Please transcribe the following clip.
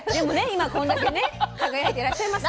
今こんだけね輝いていらっしゃいますから。